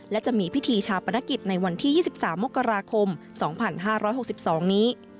และจะมีพิธีชาปนกิจในวันที่๒๓มกราคม๒๕๖๒นี้